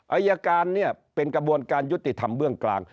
อายการเนี่ยเป็นกระบวนการยุติธรรมเบื้องกลาง